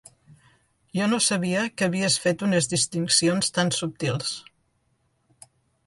Jo no sabia que havies fet unes distincions tan subtils.